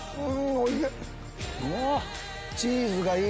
おいしい！